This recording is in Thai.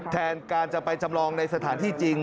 แทนการจะไปจำลองในสถานที่จริง